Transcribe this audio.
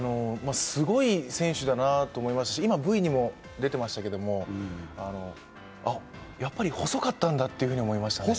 すごい選手だなと思いますし、今、Ｖにも出てましたけどやっぱり細かったんだというふうに思いましたね。